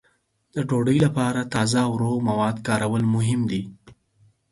د ډوډۍ لپاره تازه او روغ مواد کارول مهم دي.